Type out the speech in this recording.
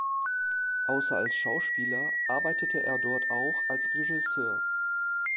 Außer als Schauspieler arbeitete er dort auch als Regisseur.